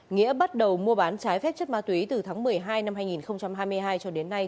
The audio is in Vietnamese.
nghĩa bắt đầu mua bán trái phép chất ma túy từ tháng một mươi hai năm hai nghìn hai mươi hai cho đến nay